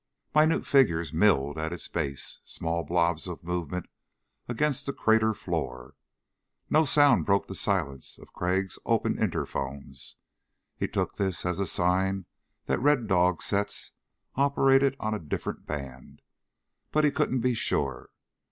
Minute figures milled at its base, small blobs of movement against the crater floor. No sounds broke the silence of Crag's open interphones. He took this as a sign that the Red Dog sets operated on a different band. But he couldn't be sure.